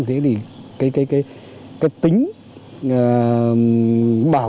thì có thể thấy là các tính bảo